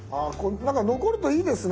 残るといいですね。